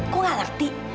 kok gak ngerti